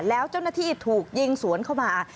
แล้วเจ้าหน้าที่ถูกยิงสวนเข้ามา